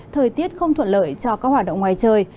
thời tiết không thuận lợi cho các hoạt động ngoài trời